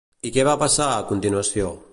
I què va passar, a continuació?